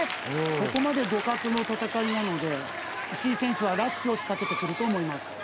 ここまで互角の戦いなので石井選手はラッシュを仕掛けてくると思います